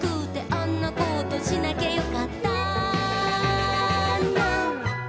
「あんなことしなきゃよかったな」